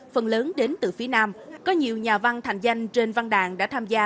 phần lớn đến từ phía nam có nhiều nhà văn thành danh trên văn đàn đã tham gia